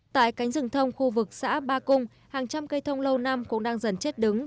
tại cánh rừng thông khu vực xã ba cung hàng trăm cây thông lâu năm cũng đang dần chết đứng